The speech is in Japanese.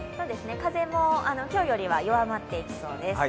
風も今日よりは弱まっていきそうです。